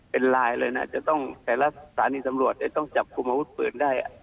เป็นลายเลยนะศาลีสำรวจจะต้องจับคุมมหุ้ดปืนได้